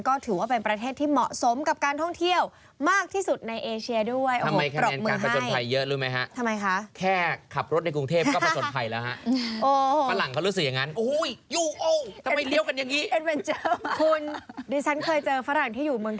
ก็ถือว่าเป็นประเทศที่เหมาะสมกับการท่องเที่ยวมากที่สุดในเอเชียด้วย